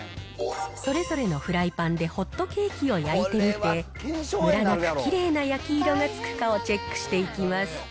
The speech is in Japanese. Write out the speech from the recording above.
それぞれのフライパンでホットケーキを焼いてみて、むらなくきれいな焼き色がつくかをチェックしていきます。